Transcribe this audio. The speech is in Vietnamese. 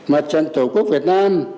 mặt trận tổ quốc việt nam